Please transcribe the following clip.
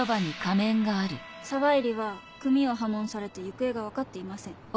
沢入は組を破門されて行方が分かっていません。